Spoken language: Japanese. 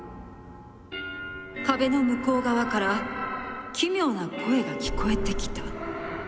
「壁の向こう側から奇妙な声が聞こえてきた。